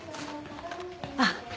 あっ！